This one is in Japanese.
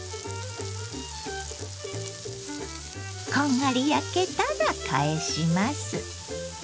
こんがり焼けたら返します。